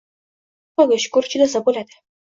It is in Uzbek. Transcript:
Xudoga shukur, chidasa bo`ladi